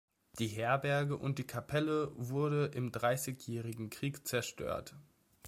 Die Herberge und die Kapelle wurde im Dreißigjährigen Krieg zerstört.